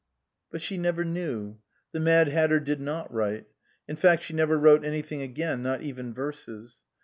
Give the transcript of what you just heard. But she never knew. The Mad Hatter did not write. In fact she never wrote anything again, not even verses.